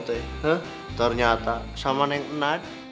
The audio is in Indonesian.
ternyata sama nenek nad